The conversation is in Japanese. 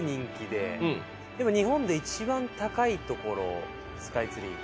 でも日本で一番高い所スカイツリー。